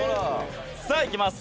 さあいきます。